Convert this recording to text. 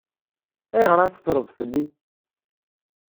Ayɣeṛ ad teffreḍ fell-i?